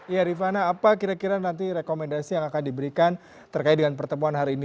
ya rifana apa kira kira nanti rekomendasi yang akan diberikan terkait dengan pertemuan hari ini